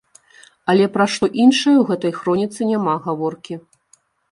Але пра што іншае ў гэтай хроніцы няма гаворкі.